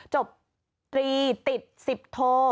จบตรีติดสิบโท